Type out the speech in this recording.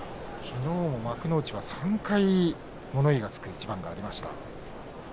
きのうも幕内は３回物言いがつく一番がありました。